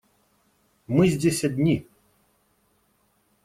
Мы здесь одни.